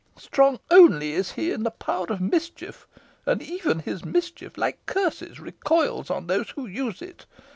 Strong only is he in power of mischief, and even his mischief, like curses, recoils on those who use it.